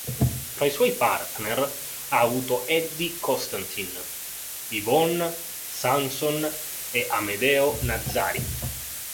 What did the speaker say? Fra i suoi partner ha avuto Eddie Constantine, Yvonne Sanson e Amedeo Nazzari.